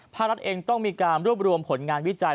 พระรัตน์เองต้องมีการร่วมรวมผลงานวิจัย